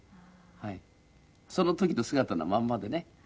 その時の姿のまんまでね。